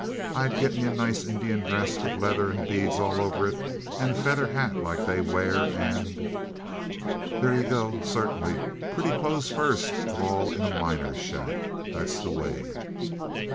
I'd get me a nice Indian dress with leather and beads all over it and a feather hat like they wear, and—" "There you go! Certainly! Pretty clothes first of all in a miner's shack. That's the way."